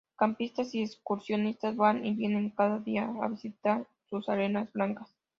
Campistas y excursionistas van y vienen cada día a visitar sus arenas blancas.